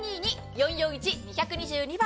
４４１‐２２２番。